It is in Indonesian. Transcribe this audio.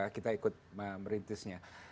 kita ikut merintisnya